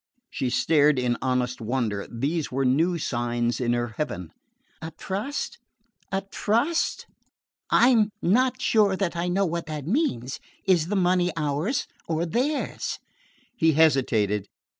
She stared in honest wonder. These were new signs in her heaven. "A trust? A trust? I am not sure that I know what that means. Is the money ours or theirs?" He hesitated.